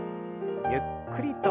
ゆっくりと。